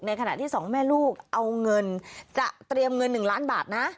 ขณะที่สองแม่ลูกเอาเงินจะเตรียมเงิน๑ล้านบาทนะ